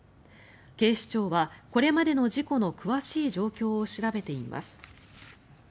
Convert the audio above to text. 警視庁はこれまでの事故の詳しい状況を調べています。